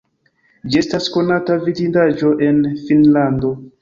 Ĝi estas konata vidindaĵo en Finnlando.